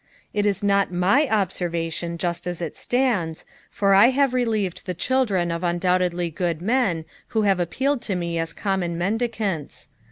'^ It is not my observation just as it stands, for I have relieved the children of undoubtedly good men, who have appealed to me as common mendicants.